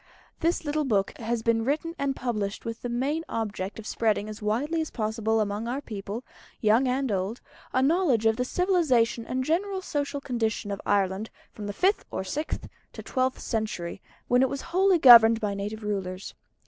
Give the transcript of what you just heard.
This little book has been written and published with the main object of spreading as widely as possible among our people, young and old, a knowledge of the civilisation and general social condition of Ireland from the fifth or sixth to the twelfth century, when it was wholly governed by native rulers.